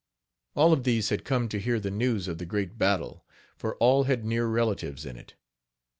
All of these had come to hear the news of the great battle, for all had near relatives in it.